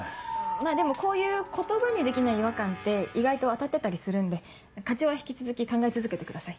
まぁでもこういう言葉にできない違和感って意外と当たってたりするんで課長は引き続き考え続けてください。